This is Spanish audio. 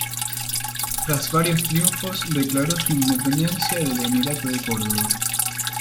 Tras varios triunfos, declaró su independencia del emirato de Córdoba.